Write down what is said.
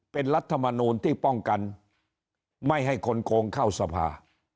เป็นรัฐมนูลที่ป้องกันไม่ให้คนโกงเข้าสภา